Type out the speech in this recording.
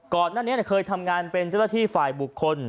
ก่อนหน้านี้เคยทำงานเป็นเจ้าหน้าที่ฝ่ายบุคคล